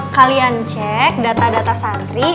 kalian cek data data santri